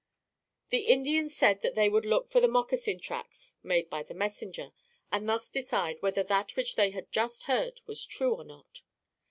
The Indians said they would look for the moccasin tracks made by the messenger, and thus decide whether that which they had just heard was true, or not.